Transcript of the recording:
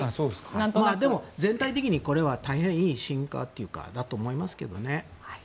でも、全体的にこれはいい進化だと思いますけどね。